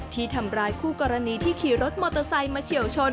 ที่ทำร้ายคู่กรณีที่ขี่รถมอเตอร์ไซค์มาเฉียวชน